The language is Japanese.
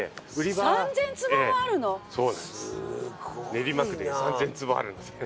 練馬区で３０００坪あるんですよね。